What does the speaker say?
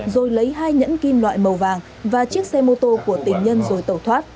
rồi lấy hai nhẫn kim loại màu vàng và chiếc xe mô tô của tình nhân rồi tẩu thoát